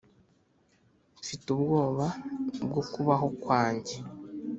mfite ubwoba bwo kubaho kwanjye,